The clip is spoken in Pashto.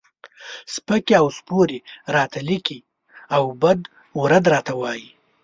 سپکې او سپورې راته لیکي او بد و رد راته وایي.